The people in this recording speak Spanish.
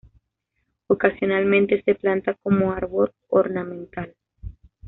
Ocasionalmente se planta como árbol ornamental.